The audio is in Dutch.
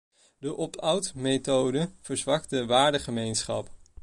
De opt-out methode verzwakt de waardengemeenschap.